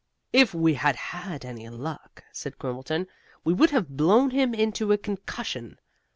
"If we had had any luck," said Quimbleton, "we would have blown him into a concussion.